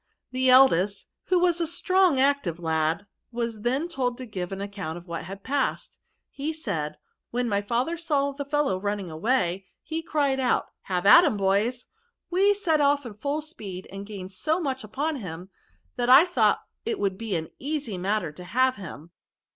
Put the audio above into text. The eldest, who was a strong active lad, was then told to give an account of what had passed. He said, * When my father saw the fellow running away, he cried out " Have at Aim, boys." We set off full speed, and gained so much upon him, that I thought it would be an easy matter to have him.